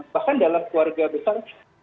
bahkan dalam keluarga besar